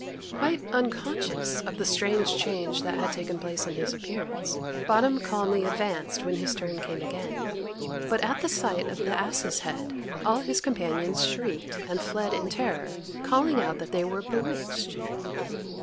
Quite unconscious of the strange change that had taken place in his appearance, Bottom calmly advanced when his turn came again, but at the sight of the ass's head all his companions shrieked and fled in terror, calling out that they were bewitched.